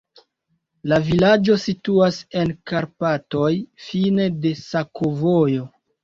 La vilaĝo situas en Karpatoj, fine de sakovojo.